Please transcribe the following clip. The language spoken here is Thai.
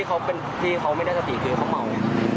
แต่ที่เขาไม่ได้สติคือเขาเมา